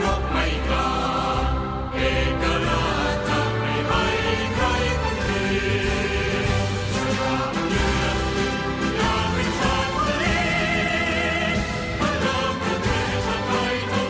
อยู่ดำรองของไว้ยายหัวทวนด้วยเทรดวันเมื่อวายรักสมัคร